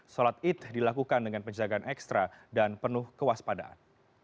sholat id dilakukan dengan penjagaan ekstra dan penuh kewaspadaan